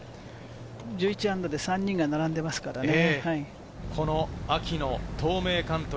−１１で３人が並んでますからね。